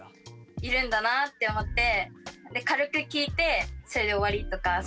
いるんだなって思って軽く聞いてそれで終わりとか。